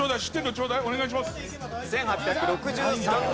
お願いします。